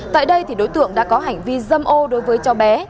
tại đây thì đối tượng đã có hành vi dâm ô đối với cháu bé